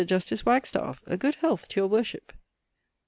Justice Wagstaffe, a good health to your worship!